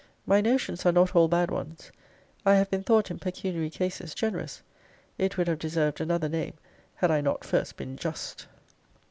My notions are not all bad ones. I have been thought, in pecuniary cases, generous. It would have deserved another name, had I not first been just.